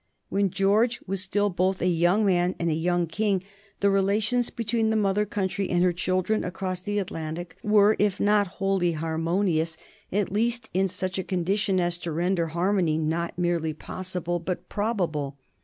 When George was still both a young man and a young king, the relations between the mother country and her children across the Atlantic were, if not wholly harmonious, at least in such a condition as to render harmony not merely possible, but probable.